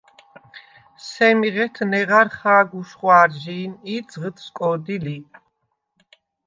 სემი ღეთ ნეღარ ხა̄გ უშხვა̄რჟი̄ნი ი ძღჷდ სკო̄დი ლი.